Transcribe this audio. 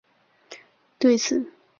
对此毛未作批复。